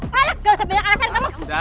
balik gak usah banyak alasan kamu